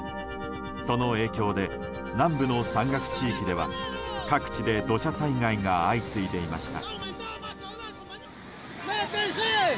その影響で南部の山岳地域では各地で土砂災害が相次いでいました。